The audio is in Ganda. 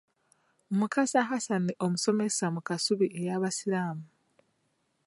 Mukasa Hassan omusomesa mu Kasubi ey'abasiiramu.